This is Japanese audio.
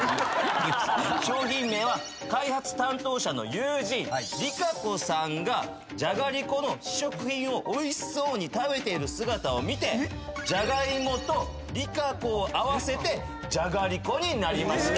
商品名は開発担当者の友人りかこさんがじゃがりこの試食品をおいしそうに食べている姿を見てじゃがいもとりかこを合わせてじゃがりこになりました